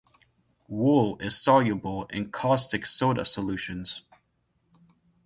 Wool is soluble in caustic soda solutions.